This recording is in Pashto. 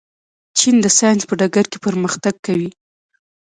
چین د ساینس په ډګر کې پرمختګ کوي.